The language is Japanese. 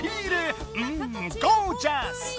うんゴージャス！